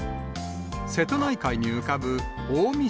瀬戸内海に浮かぶ大三島。